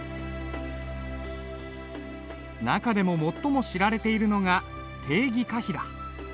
中でも最も知られているのが鄭羲下碑だ。